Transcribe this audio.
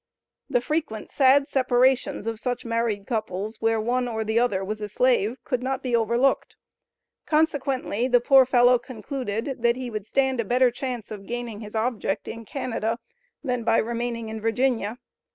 The frequent sad separations of such married couples (where one or the other was a slave) could not be overlooked; consequently, the poor fellow concluded that he would stand a better chance of gaining his object in Canada than by remaining in Virginia.